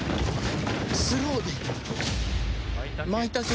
スローで。